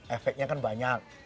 efeknya kan banyak